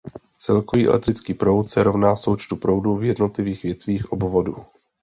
Celkový elektrický proud se rovná součtu proudů v jednotlivých větvích obvodu.